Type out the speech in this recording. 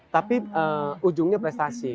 tapi ujungnya prestasi